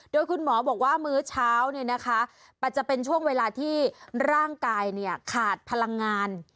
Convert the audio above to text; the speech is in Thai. โดยคุณหมอบอกว่ามื้อเช้ามันจะเป็นช่วงเวลาที่ร่างกายขาดพลังงาน